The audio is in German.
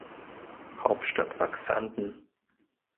Hauptstadt war Xanten.